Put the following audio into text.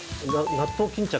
納豆巾着？